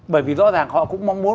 bởi vì rõ ràng họ cũng mong muốn